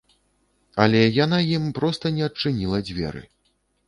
Але яна ім проста не адчыніла дзверы.